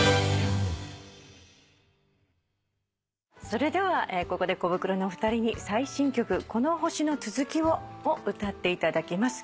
それではここでコブクロのお二人に最新曲『この地球の続きを』を歌っていただきます。